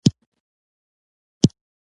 علي د ډېرو مظلومو کسانو په وینو لاسونه سره کړي.